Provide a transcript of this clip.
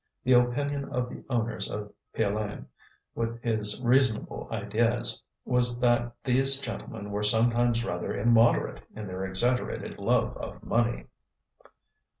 The opinion of the owner of Piolaine, with his reasonable ideas, was that these gentlemen were sometimes rather immoderate in their exaggerated love of money.